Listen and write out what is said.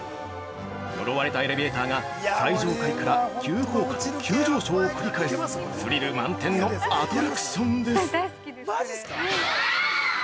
呪われたエレベーターが、最上階から急降下と急上昇を繰り返すスリル満点のアトラクションです。